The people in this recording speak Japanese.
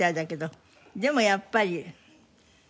でもやっぱり。